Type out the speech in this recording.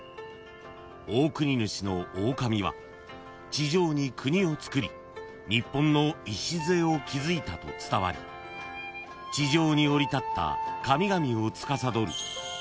［地上に国をつくり日本の礎を築いたと伝わり地上に降り立った神々をつかさどる］